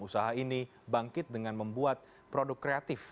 usaha ini bangkit dengan membuat produk kreatif